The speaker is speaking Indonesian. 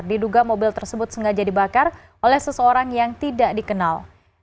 diduga mobil tersebut sengaja dibakar oleh seseorang yang tidak dikenal